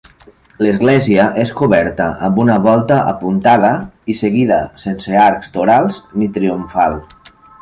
L'església és coberta amb una volta apuntada i seguida, sense arcs torals ni triomfal.